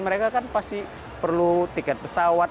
mereka kan pasti perlu tiket pesawat